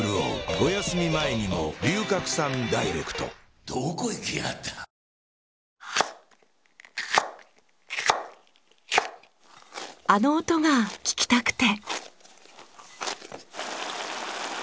本当にあの音が聞きたくて。